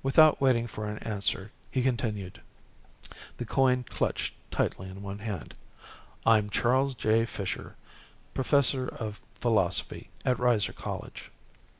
Without waiting for an answer, he continued, the coin clutched tightly in one hand. "I'm Charles J. Fisher, professor of philosophy at Reiser College."